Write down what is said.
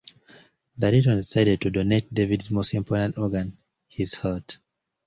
The Deetons decide to donate David's most important organ, his heart.